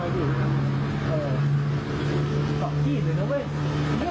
คุณส่องขีดเลยนะ